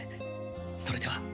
それでは。